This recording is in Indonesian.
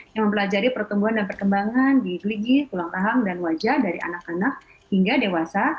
yang mempelajari pertumbuhan dan perkembangan gigi tulang tahan dan wajah dari anak anak hingga dewasa